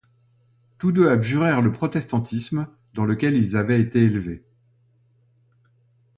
Tous deux abjurèrent le protestantisme dans lequel ils avaient été élevés.